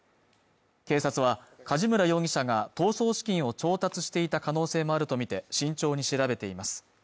警察は梶村容疑者が逃走資金を調達していた可能性もあるとみて慎重に調べています